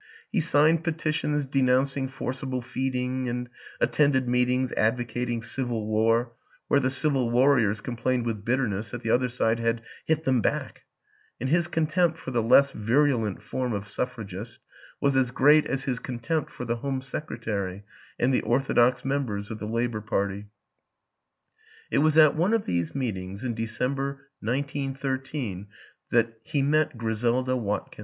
He signed petitions de nouncing forcible feeding and attended meetings advocating civil war, where the civil warriors complained with bitterness that the other side had hit them back; and his contempt for the less vir ulent form of suffragist was as great as his con tempt for the Home Secretary and the orthodox members of the Labor Party. It was at one of these meetings, in December, 1913, that he met Griselda Watkins.